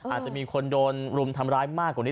อาจจะมีคนโดนรุมทำร้ายมากกว่านี้